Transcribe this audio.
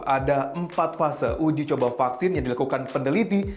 ada empat fase uji coba vaksin yang dilakukan peneliti